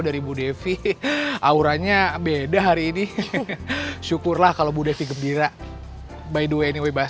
dari bu devi auranya beda hari ini syukurlah kalau bu devi gembira by the way ini bebas